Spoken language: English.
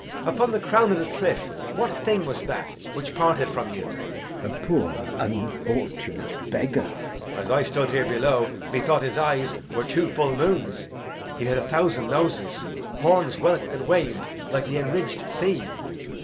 Upon the crown o' th' cliff what thing was that Which parted from you? Glou. A poor unfortunate beggar. Edg. As I stood here below, methought his eyes Were two full moons; he had a thousand noses, Horns whelk'd and wav'd like the enridged sea.